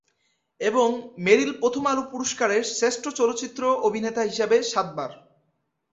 এবং মেরিল-প্রথম আলো পুরস্কার শ্রেষ্ঠ চলচ্চিত্র অভিনেতা হিসেবে সাত বার।